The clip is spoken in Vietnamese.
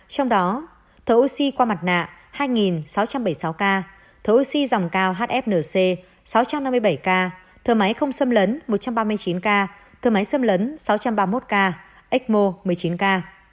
trong đó thở oxy qua mặt nạ hai sáu trăm bảy mươi sáu ca thầu oxy dòng cao hfnc sáu trăm năm mươi bảy ca thở máy không xâm lấn một trăm ba mươi chín ca thờ máy xâm lấn sáu trăm ba mươi một ca ecmo một mươi chín ca